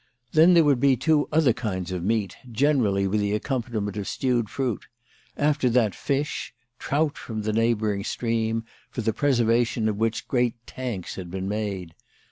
Then there would be two other kinds of meat, generally with accompaniment of stewed fruit; after that fish, trout from the neighbouring stream, for the preservation of which great tanks had been made.